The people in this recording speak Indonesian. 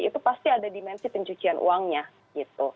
itu pasti ada dimensi pencucian uangnya gitu